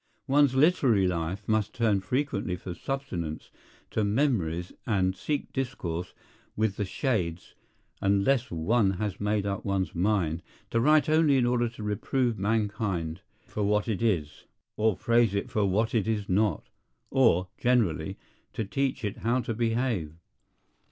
One's literary life must turn frequently for sustenance to memories and seek discourse with the shades, unless one has made up one's mind to write only in order to reprove mankind for what it is, or praise it for what it is not, or—generally—to teach it how to behave.